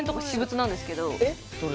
どれ？